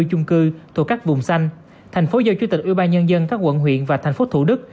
chung cư thuộc các vùng xanh thành phố giao chủ tịch ubnd các quận huyện và thành phố thủ đức